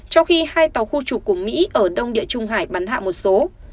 trong khi hai tàu khu trục của mỹ ở đông địa trung hải bắn hạ một số